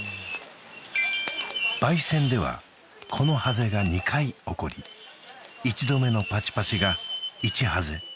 焙煎ではこのハゼが２回起こり１度目のパチパチが「１ハゼ」